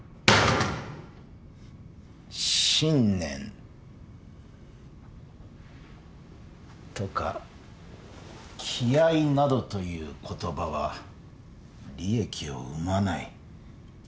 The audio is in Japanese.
「信念」とか「気合」などという言葉は利益を生まない。